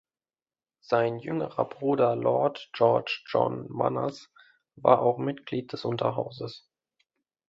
Sein jüngerer Bruder Lord George John Manners war auch Mitglied des Unterhauses.